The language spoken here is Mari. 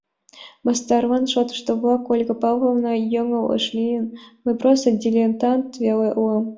— Мастарлан шотлышо-влак, Ольга Павловна, йоҥылыш лийыт, мый просто дилетант веле улам.